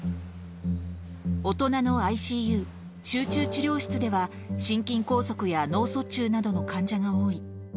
大人のＩＣＵ・集中治療室では、心筋梗塞や脳卒中などの患者が多い。